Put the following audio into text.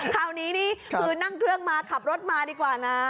คราวนี้นี่คือนั่งเครื่องมาขับรถมาดีกว่านะ